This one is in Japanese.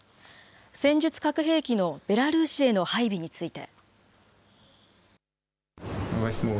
戦術核兵器のベラルーシへの配備について。